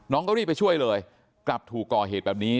น้องก็รีบไปช่วยเลยกลับถูกก่อเหตุแบบนี้